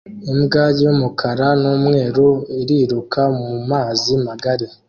Imbwa y'umukara n'umweru iriruka mu mazi magari